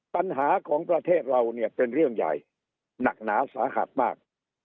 ปัญหาของประเทศเราเนี่ยเป็นเรื่องใหญ่หนักหนาสาหัสมาก